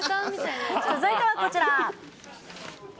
続いてはこちら。